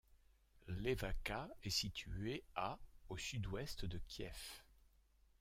Hlevakha est située à au sud-ouest de Kiev.